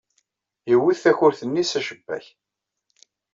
Iwet takurt-nni s acebbak.